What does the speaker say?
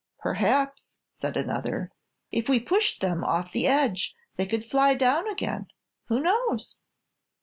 "Perhaps," said another, "if we pushed them off the edge they could fly down again. Who knows?"